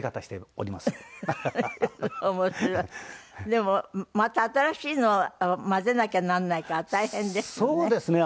でもまた新しいのを交ぜなきゃならないから大変ですよね。